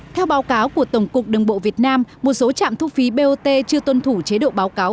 theo báo cáo của tổng cục đường bộ việt nam một số trạm thu phí bot chưa tuân thủ chế độ báo cáo